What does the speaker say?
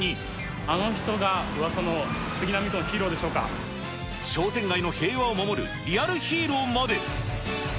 あの人がうわさの杉並区のヒ商店街の平和を守るリアルヒーローまで。